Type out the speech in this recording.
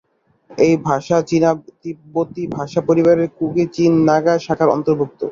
এই ভাষা চীনা-তিব্বতি ভাষা পরিবারের কুকি-চিন-নাগা শাখার অন্তর্ভুক্ত।